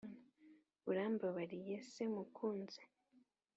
urambabariye se mukunzi?